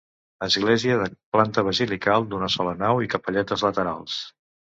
Església de planta basilical d'una sola nau i capelletes laterals.